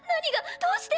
どうして？